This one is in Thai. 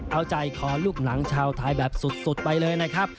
เอาใจคอลูกหนังชาวไทยแบบสุดไปเลยนะครับ